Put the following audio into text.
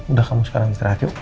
udah kamu sekarang istirahat yuk